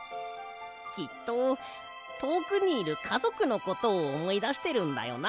きっととおくにいるかぞくのことをおもいだしてるんだよな。